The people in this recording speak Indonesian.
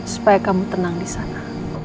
supaya kamu tenang di sana